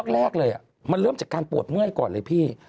แรกเลยมันเริ่มจากการปวดเมื่อยก่อนเลยพี่